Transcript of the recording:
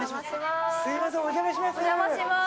すいませんお邪魔します。